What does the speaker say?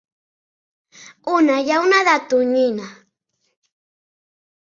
Una llauna de tonyina.